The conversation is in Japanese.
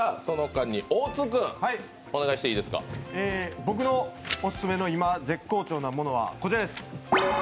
僕のオススメのいま絶好調なものはこちらです。